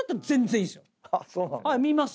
見ます。